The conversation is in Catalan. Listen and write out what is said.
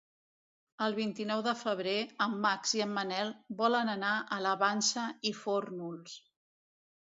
El vint-i-nou de febrer en Max i en Manel volen anar a la Vansa i Fórnols.